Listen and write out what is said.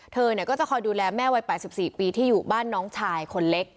เธอก็จะคอยดูแลแม่วัย๘๔ปีที่อยู่บ้านน้องชายคนเล็ก